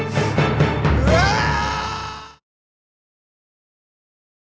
うわあ！